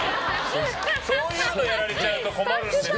そういうのやられちゃうと困るんですよ。